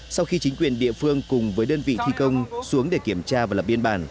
sau khi chính quyền địa phương cùng với đơn vị thi công xuống để kiểm tra và lập biên bản